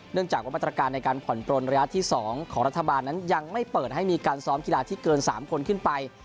จากว่ามาตรการในการผ่อนปลนระยะที่๒ของรัฐบาลนั้นยังไม่เปิดให้มีการซ้อมกีฬาที่เกิน๓คนขึ้นไป